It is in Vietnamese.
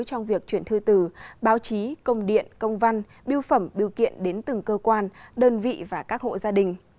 trong việc chuyển thư tử báo chí công điện công văn biêu phẩm biêu kiện đến từng cơ quan đơn vị và các hộ gia đình